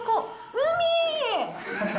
海！